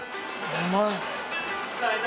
うまい！